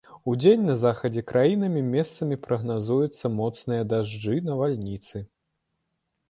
Удзень на захадзе краіны месцамі прагназуюцца моцныя дажджы, навальніцы.